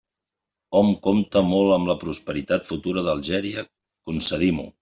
Hom compta molt amb la prosperitat futura d'Algèria; concedim-ho.